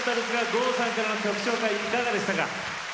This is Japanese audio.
郷ひろみさんからの曲紹介いかがでしたか？